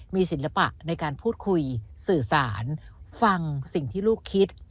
มีศิลปะในการพูดคุยสื่อสารฟังสิ่งที่ลูกคิด